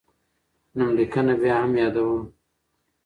نوملیکنه بیا هم یادوم.